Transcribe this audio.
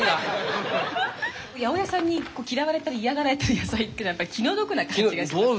八百屋さんに嫌われたり嫌がられてる野菜っていうのはやっぱり気の毒な感じがしますね。